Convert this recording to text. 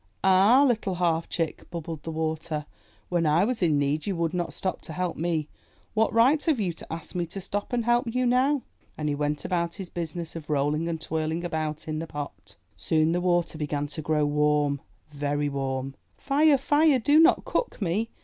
''Ah, Little Half Chick," bubbled the Water, *'when I was in need, you would not stop to help me. What right have you to ask me to stop and help you now?" And he went on about his business of rolling 310 IN THE NURSERY and twirling about in the pot. Soon the water began to grow warm, very warm. 'Tire! Fire! Do not cook me!"